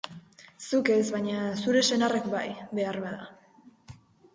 Zuk ez, baina zure senarrak bai, beharbada...